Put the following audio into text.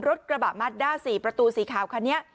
รถกระบะมัดด้า๔ประตูสีขาวคันนี้